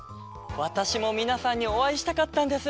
わたしもみなさんにおあいしたかったんです！